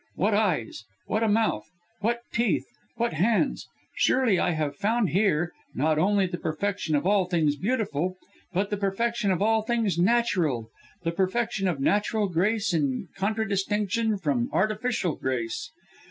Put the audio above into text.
What eyes, what a mouth! what teeth! what hands! Surely I have found here, not only the perfection of all things beautiful, but the perfection of all things natural, the perfection of natural grace in contradistinction from artificial grace.